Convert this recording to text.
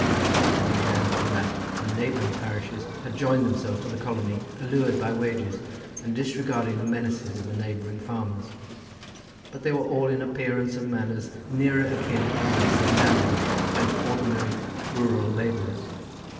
Some young men from that and neighbouring parishes had joined themselves to the colony, allured by wages, and disregarding the menaces of the neighbouring farmers; but they were all in appearance and manners nearer akin to the race of navvies than to ordinary rural labourers.